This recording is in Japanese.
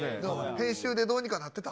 編集でどうにかなってた？